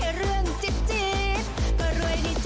โปรดติดตามต่อไป